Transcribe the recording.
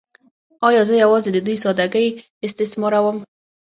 “ایا زه یوازې د دوی ساده ګۍ استثماروم؟